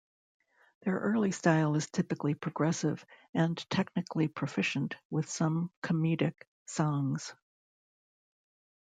Their early style is typically progressive and technically proficient, with some comedic songs.